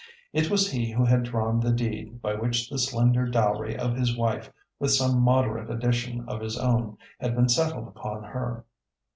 It was he who had drawn the deed by which the slender dowry of his wife, with some moderate addition of his own, had been settled upon her.